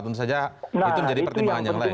tentu saja itu menjadi pertimbangan yang lain